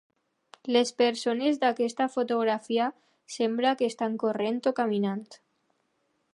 Les persones d"aquesta fotografia sembla que estan corrent o caminant.